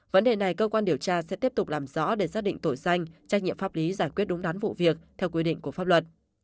vấn đề này cơ quan điều tra sẽ tiếp tục làm rõ để xác định tội danh trách nhiệm pháp lý giải quyết đúng đán vụ việc theo quy định của pháp luật